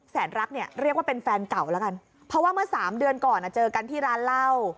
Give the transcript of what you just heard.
รักเนี่ยเรียกว่าเป็นแฟนเก่าแล้วกันเพราะว่าเมื่อสามเดือนก่อนอ่ะเจอกันที่ร้านเหล้า